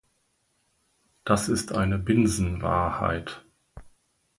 Das ist eine Binsenwahrheit.